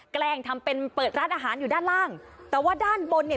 แกล้งทำเป็นเปิดร้านอาหารอยู่ด้านล่างแต่ว่าด้านบนเนี่ย